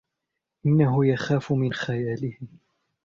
إنه يخافُ من خيالهِ.